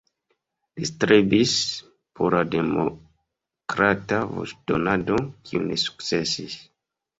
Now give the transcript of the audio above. Li strebis por la demokrata voĉdonado, kiu ne sukcesis.